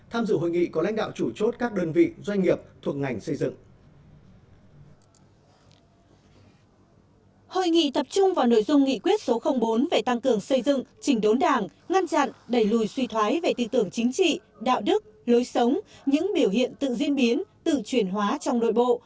hội nghị tập trung vào nội dung nghị quyết số bốn về tăng cường xây dựng chỉnh đốn đảng ngăn chặn đẩy lùi suy thoái về tư tưởng chính trị đạo đức lối sống những biểu hiện tự diễn biến tự chuyển hóa trong nội bộ